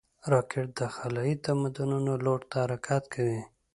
راکټ د خلایي تمدنونو لور ته حرکت کوي